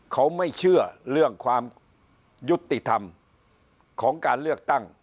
เขาไม่เชื่อเรื่องความยุติธรรมของการเลือกตั้ง